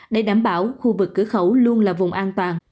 để đảm bảo khu vực cửa khẩu luôn là vùng an toàn